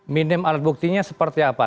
minim alat buktinya seperti apa